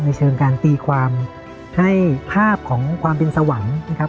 เชิงการตีความให้ภาพของความเป็นสวรรค์นะครับ